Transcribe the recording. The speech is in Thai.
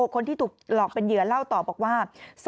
คนที่ถูกหลอกเป็นเหยื่อเล่าต่อบอกว่า